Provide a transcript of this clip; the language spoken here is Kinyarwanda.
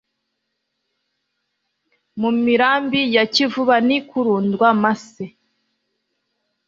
Mu mirambi ya Kivuba, N'i Kirundwa-mase